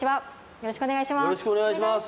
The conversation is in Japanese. よろしくお願いします。